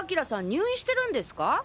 入院してるんですか？